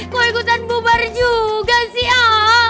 kau ikutan bubar juga sih ah